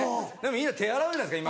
みんな手洗うじゃないですか